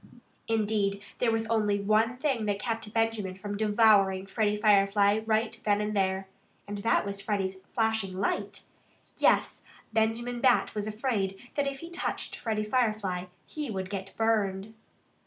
Indeed, there was only one thing that kept Benjamin from devouring Freddie Firefly right then and there. And that was Freddie's flashing light. Yes! Benjamin Bat was afraid that if he touched Freddie Firefly he would get burned.